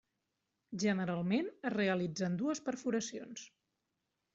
Generalment es realitzen dues perforacions.